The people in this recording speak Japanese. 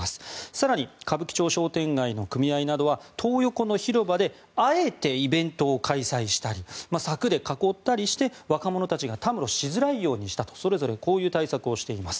更に歌舞伎町商店街の組合などはトー横の広場であえてイベントを開催したり柵で囲ったりして若者たちがたむろしづらいようにしたとそれぞれこういう対策をしています。